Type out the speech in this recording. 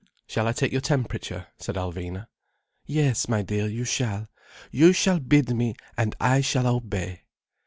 "Shall I take your temperature?" said Alvina. "Yes, my dear, you shall. You shall bid me, and I shall obey."